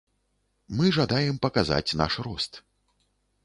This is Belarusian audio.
Мы жадаем паказаць наш рост.